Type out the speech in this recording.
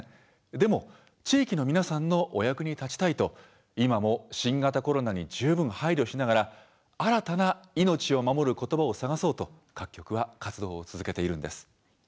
でも、地域の皆さんのお役に立ちたいと今も新型コロナに十分配慮しながら新たな命を守ることばを探そうと各局は活動を続けているんです。